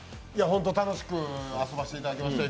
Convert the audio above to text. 本当に楽しく遊ばせていただきました。